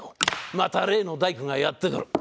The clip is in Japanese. また例の大工がやって来る。